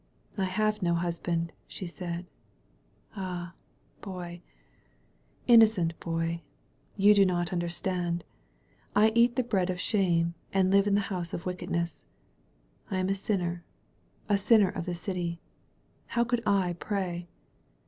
"I have no husband," she said. "Ah, boy, inno cent boy, you do not understand. I eat the bread of shame and live in the house of wickedness. I am a sinner, a sinner of the city. How could I pray